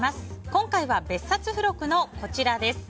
今回は別冊付録のこちらです。